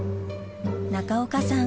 中岡さん